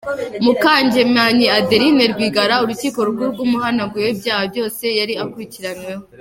Mukangemanyi Adeline Rwigara urukiko rukuru rwamuhanaguyeho ibyaha byose yari akurikiranyweho.